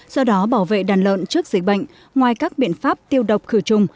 do đó bảo vệ đàn lợn trước dịch bệnh ngoài các biện pháp tiêu độc khử trùng